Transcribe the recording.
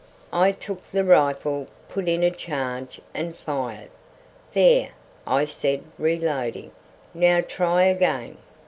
I took the rifle, put in a charge, and fired. "There," I said, reloading. "Now, try again."